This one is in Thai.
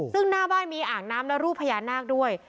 ซึ่งหน้าบ้านมีอ่างน้ำและรูปพญานาคด้วย